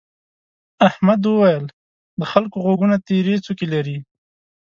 احمد وويل: د خلکو غوږونه تيرې څوکې لري.